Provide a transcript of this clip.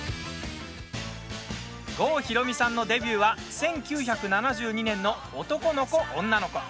郷ひろみさんのデビューは１９７２年の「男の子女の子」。